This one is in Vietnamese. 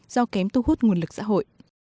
do kém thu hút nguồn lực xã hội